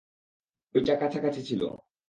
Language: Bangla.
ওইটা কাছাকাছি ছিল।